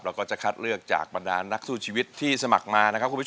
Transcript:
เราก็จะคัดเลือกจากประดานนักสู้ชีวิตที่สมัครมา